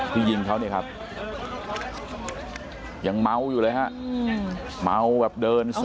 ยิงเขาเนี่ยครับยังเมาอยู่เลยฮะเมาแบบเดิน